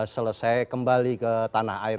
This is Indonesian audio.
selesai kembali ke tanah air